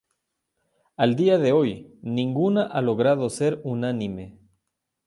Al día de hoy, ninguna ha logrado ser unánime.